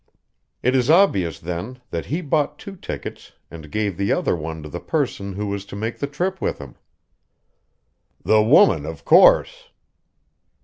It is obvious, then, that he bought two tickets and gave the other one to the person who was to make the trip with him." "The woman, of course!"